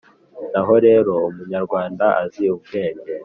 naho rero umunyarwanda azi ubwenge,